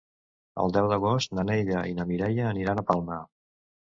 El deu d'agost na Neida i na Mireia aniran a Palma.